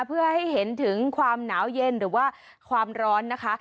เพื่อให้เห็นถึงความหนาวเย็นหรือว่าความร้อนนะคะ